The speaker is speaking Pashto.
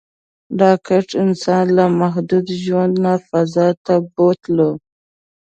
راکټ انسان له محدود ژوند نه فضا ته بوتلو